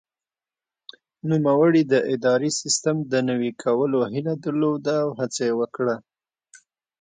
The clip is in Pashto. نوموړي د اداري سیسټم د نوي کولو هیله درلوده او هڅه یې وکړه.